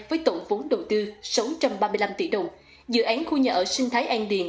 với tổng vốn đầu tư sáu trăm ba mươi năm tỷ đồng dự án khu nhà ở sinh thái an điền